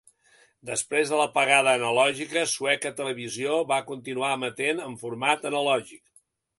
Després de l'apagada analògica, Sueca Televisió va continuar emetent en format analògic.